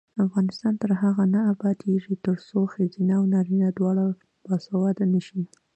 افغانستان تر هغو نه ابادیږي، ترڅو ښځینه او نارینه دواړه باسواده نشي.